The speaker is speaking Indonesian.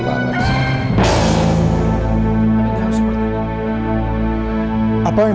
camara apa tuh ini